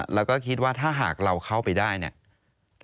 แล้วก็คิดว่าถ้าหากเราเข้าไปได้เนี่ย